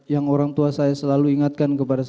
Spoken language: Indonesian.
yang orang tua saya selalu ingatkan kepada saya